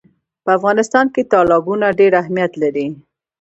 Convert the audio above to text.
په افغانستان کې تالابونه ډېر اهمیت لري.